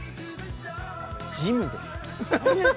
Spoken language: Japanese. ジムです。